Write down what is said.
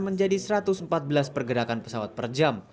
menjadi satu ratus empat belas pergerakan pesawat per jam